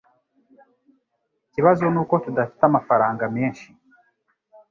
Ikibazo nuko tudafite amafaranga menshi.